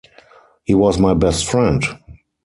He was my best friend.